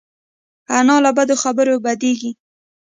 انا له بدو خبرو بدېږي